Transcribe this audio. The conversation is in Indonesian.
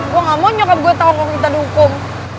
gue gak mau nyokap gue tau orang kita dihukum